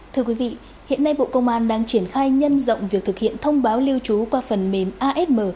thưa quý vị hiện nay bộ công an đang triển khai nhân rộng việc thực hiện thông báo lưu trú qua phần mềm asm